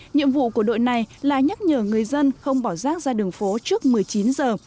nhiệm vụ của đội này là nhắc nhở người dân không bỏ rác ra đường phố trước một mươi chín giờ